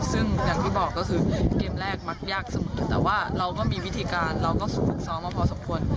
ซึ่งอย่างที่บอกแล้วก็คือเกมแรกมากยากสมเราจะเตรียมเผื่อพอสมควร